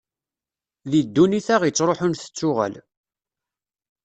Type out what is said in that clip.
Di ddunit-a ittruḥun tettuɣal